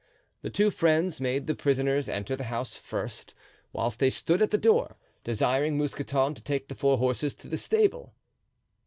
The two friends made the prisoners enter the house first, whilst they stood at the door, desiring Mousqueton to take the four horses to the stable.